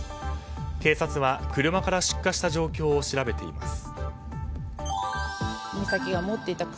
警察は、車から出火した状況を調べています。